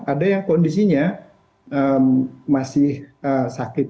ada yang kondisinya masih sakit